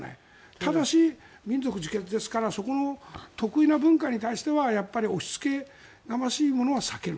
ただし、民族自決ですから特異な文化に対しては押しつけがましいものは避ける。